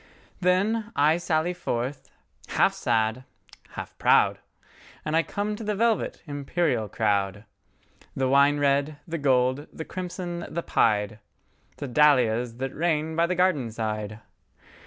Then, I sally forth, half sad, half proud, And I come to the velvet, imperial crowd, The wine red, the gold, the crimson, the pied,—The dahlias that reign by the garden side.